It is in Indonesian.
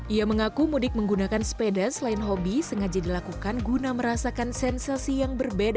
ia mengaku mudik menggunakan sepeda selain hobi sengaja dilakukan guna merasakan sensasi yang berbeda